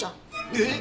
えっ！？